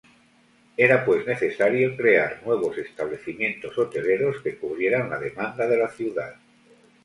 Era pues necesario crear nuevos establecimientos hoteleros que cubrieran la demanda de la ciudad.